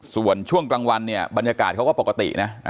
ส่วนช่วงกลางวันเนี่ยบรรยากาศเขาก็ปกตินะ